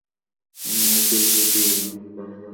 আমি উকিল খুঁজি, আর তুমি ভাড়া নিয়া ভাবো।